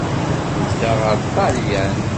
Nedda ɣer Ṭṭalyan.